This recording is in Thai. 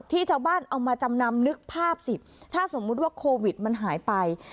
ชาวบ้านเอามาจำนำนึกภาพสิถ้าสมมุติว่าโควิดมันหายไป